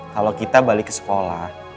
kalau kita balik ke sekolah